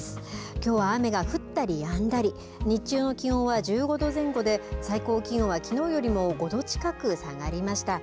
きょうは雨が降ったりやんだり日中の気温は１５度前後で最高気温はきのうよりも５度近く下がりました。